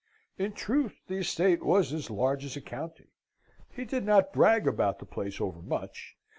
In truth, the estate was as large as a county. He did not brag about the place overmuch.